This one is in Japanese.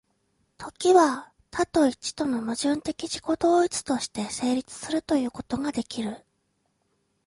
時は多と一との矛盾的自己同一として成立するということができる。